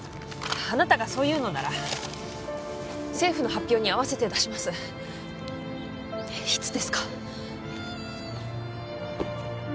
あなたがそう言うのなら政府の発表に合わせて出しますいつですか？